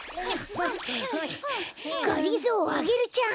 がりぞーアゲルちゃん